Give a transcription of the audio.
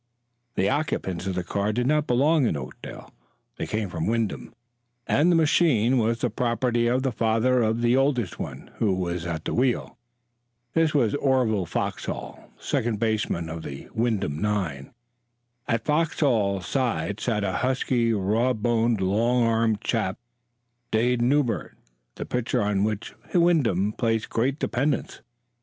The occupants of the car did not belong in Oakdale; they came from Wyndham, and the machine was the property of the father of the oldest one, who was at the wheel. This was Orville Foxhall, second baseman of the Wyndham nine. At Foxhall's side sat a husky, raw boned, long armed chap, Dade Newbert, the pitcher on which Wyndham placed great dependence.